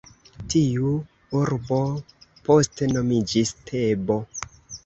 Tiu urbo poste nomiĝis Tebo.